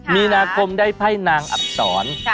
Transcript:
มีนาคมได้ไพ่นางอักษร